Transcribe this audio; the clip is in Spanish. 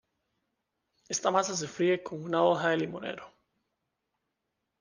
Esta masa se fríe con una hoja de limonero.